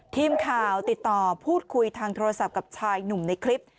ทีมข่าวติดต่อพูดคุยทางโทรศัพท์กับชายหนุ่มในคลิป